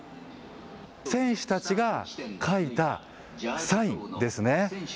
選手たちが書いたサインですね。